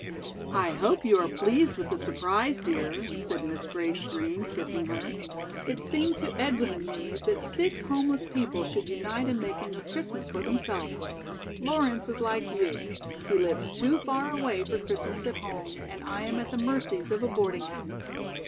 "I hope you are pleased with the surprise, dear," said Miss Grace Green, kissing her. "It seemed to Edwin and me that six homeless people should unite in making a Christmas for themselves. Lawrence is like you. He lives too far away for Christmas at home, and I am at the mercies of a boarding house.